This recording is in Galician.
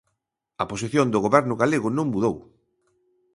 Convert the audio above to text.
A posición do Goberno galego non mudou.